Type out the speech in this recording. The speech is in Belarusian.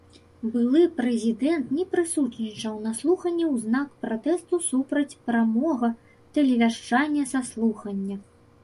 Былы прэзідэнт не прысутнічаў на слуханні ў знак пратэсту супраць прамога тэлевяшчання са слухання.